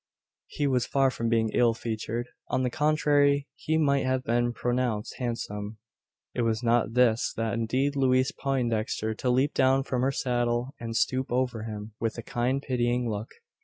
He was far from being ill featured. On the contrary, he might have been pronounced handsome. It was not this that induced Louise Poindexter to leap down from her saddle, and stoop over him with a kind pitying look.